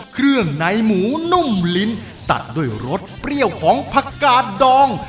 เครื่องในหมูนุ่มลิ้นตัดด้วยรสเปรี้ยวของผักกาดดอง